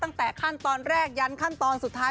ตั้งแต่ขั้นตอนแรกยันขั้นตอนสุดท้าย